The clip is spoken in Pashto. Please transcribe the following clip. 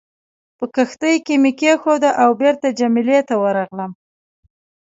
په کښتۍ کې مې کېښوده او بېرته جميله ته ورغلم.